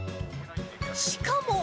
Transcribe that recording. しかも。